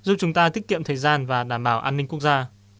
giúp chúng ta tiết kiệm thời gian và đảm bảo an ninh quốc gia